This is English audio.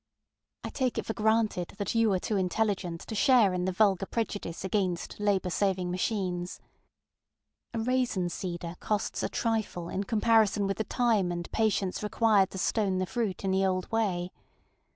I take it for granted that you are too intelligent to share in the vulgar prejudice against labor saving machines. A raisin seeder costs a trifle in comparison with the time and patience required to stone the fruit in the old way.